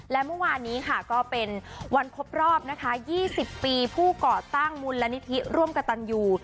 และเมื่อวานนี้ค่ะก็เป็นวันครบรอบนะคะ๒๐ปีผู้ก่อตั้งมูลนิธิร่วมกับตันยู